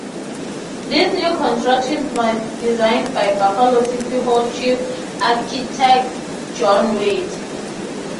This new construction was designed by Buffalo City Hall chief architect John Wade.